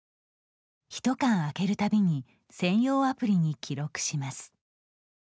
１缶空けるたびに専用アプリに記録します。